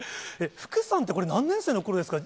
福さんってこれ、何年生のころですか？